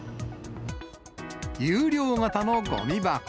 有料型のごみ箱。